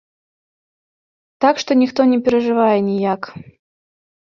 Так што ніхто не перажывае ніяк.